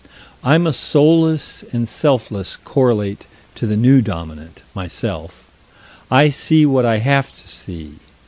I'm a soulless and selfless correlate to the New Dominant, myself: I see what I have to see.